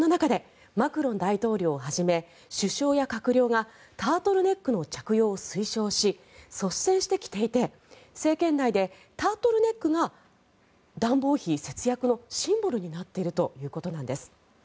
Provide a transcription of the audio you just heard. そんな中でマクロン大統領をはじめ首相や閣僚がタートルネックの着用を推奨し率先して着ていて政権内でタートルネックが暖房費節約のシンボルになっているということです。